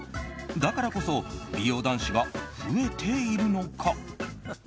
だからこそ美容男子が増えているのか。